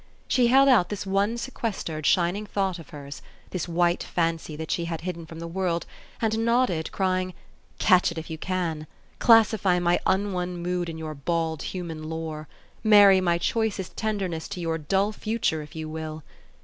She held out this one sequestered, shining thought of hers, this white fancy that she had hidden from the world, and nodded, crying, " Catch it if you can! Clas sify my unwon mood in your bald human lore. Marry my choicest tenderness to your dull future if you will.